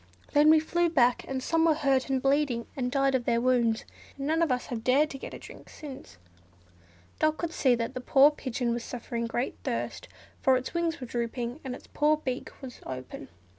Then we flew back, and some were hurt and bleeding, and died of their wounds, and none of us have dared to get a drink since." Dot could see that the poor pigeon was suffering great thirst, for its wings were drooping, and its poor dry beak was open.